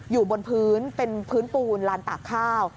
อยู่บนพื้นเป็นพื้นปูนลานตากข้าว